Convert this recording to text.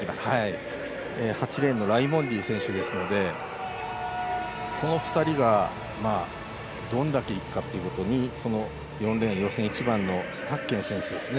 ８レーンのライモンディ選手ですのでこの２人がどれだけいくかということにその４レーン、予選一番のタッケン選手ですね。